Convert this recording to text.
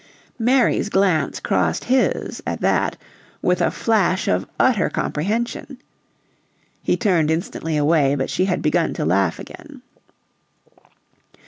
Mary's glance crossed his, at that, with a flash of utter comprehension. He turned instantly away, but she had begun to laugh again.